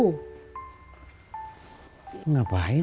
percaya dengan cerita yang seperti itu